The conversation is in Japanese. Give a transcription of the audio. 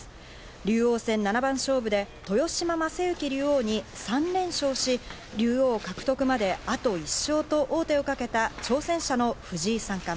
竜王戦七番勝負で豊島将之竜王に３連勝し、竜王獲得まであと１勝と王手をかけた挑戦者の藤井三冠。